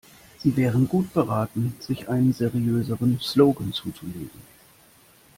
Sie wären gut beraten, sich einen seriöseren Slogan zuzulegen.